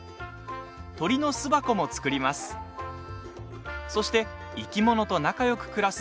鳥の巣箱も作ります。